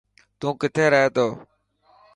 تو ڪٿي رهي ٿو.